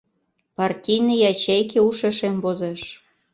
Партийный ячейке ушешем возеш.